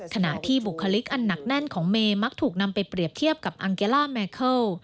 ขณะที่บุคลิกอันหนักแน่นของเมย์มักถูกนำไปเปรียบเทียบกับอังเกล่าแมเคิล